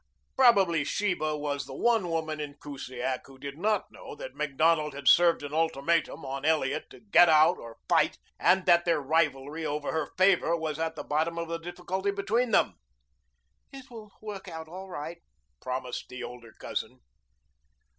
Probably Sheba was the one woman in Kusiak who did not know that Macdonald had served an ultimatum on Elliot to get out or fight and that their rivalry over her favor was at the bottom of the difficulty between them. "It will work out all right," promised the older cousin.